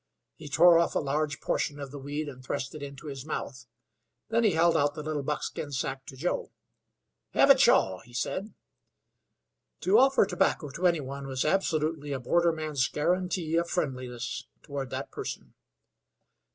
He tore off a large portion of the weed and thrust it into his mouth. Then he held out the little buckskin sack to Joe. "Hev' a chaw," he said. To offer tobacco to anyone was absolutely a borderman's guarantee of friendliness toward that person.